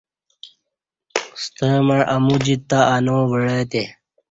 ستہ مع امو جیت تہ انو وعے تے